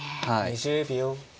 ２０秒。